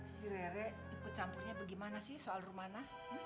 si rere ikut campurnya bagaimana sih soal rumana